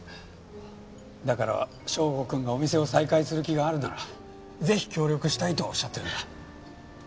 だから祥吾くんがお店を再開する気があるならぜひ協力したいとおっしゃってるんだ。